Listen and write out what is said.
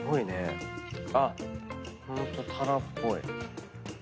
あっホントタラっぽい。